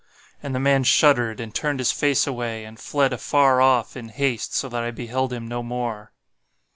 And the man shuddered, and turned his face away, and fled afar off, in haste, so that I beheld him no more."